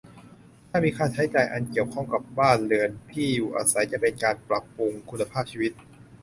ถ้ามีค่าใช้จ่ายอันเกี่ยวข้องกับบ้านเรือน ที่อยู่อาศัย จะเป็นการปรับปรุงคุณภาพชีวิต